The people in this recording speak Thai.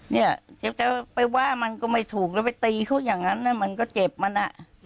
เนี่ยเจ็บจะไปว่ามันก็ไม่ถูกแล้วไปตีเขาอย่างนั้นนะมันก็เจ็บมันอ่ะ